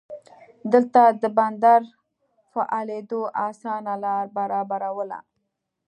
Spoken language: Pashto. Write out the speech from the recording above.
دلته د بندر فعالېدو اسانه لار برابرواله.